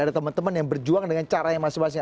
ada teman teman yang berjuang dengan cara yang masing masing